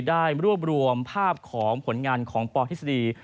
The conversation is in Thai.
ได้รวบรวมภาพของผลงานของปทฤษฎี